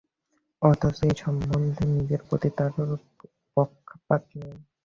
অথচ এ সম্বন্ধে নিজের প্রতি তার পক্ষপাত নেই।